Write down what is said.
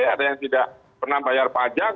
ada yang tidak pernah bayar pajak